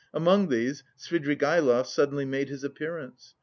Among these, Svidrigaïlov suddenly made his appearance.